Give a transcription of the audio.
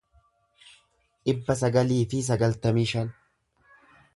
dhibba sagalii fi sagaltamii shan